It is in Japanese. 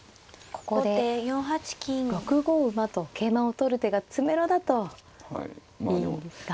ここで６五馬と桂馬を取る手が詰めろだといいんですか。